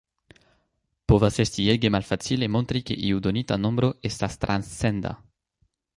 Povas esti ege malfacile montri ke iu donita nombro estas transcenda.